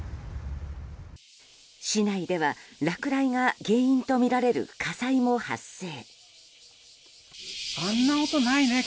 市内では落雷が原因とみられる火災も発生。